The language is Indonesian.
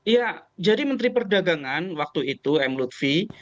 ya jadi menteri perdagangan waktu itu m lutfi